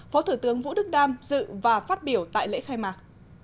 phó thủ tướng vũ đức đam dự và phát biểu tại lễ khai mạc